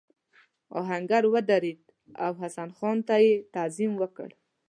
آهنګر ودرېد او حسن خان ته یې تعظیم وکړ.